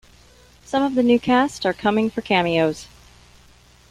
Some of the new cast are coming for cameos.